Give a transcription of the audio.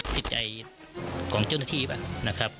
พิจัยของเจ้าหน้าทีบนะครับ